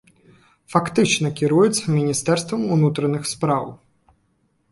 Фактычна кіруецца міністэрствам унутраных спраў.